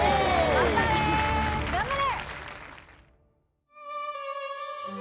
頑張れ！